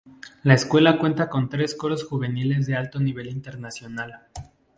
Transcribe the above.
La escuela cuenta con tres coros juveniles de alto nivel internacional.